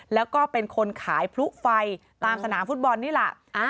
แล้วก็เป็นคนขายพลุไฟตามสนามฟุตบอลนี่แหละ